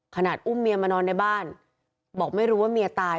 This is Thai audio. อุ้มเมียมานอนในบ้านบอกไม่รู้ว่าเมียตาย